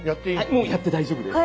もうやって大丈夫です。